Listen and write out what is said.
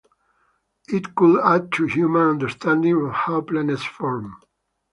It could add to human understanding of how planets form.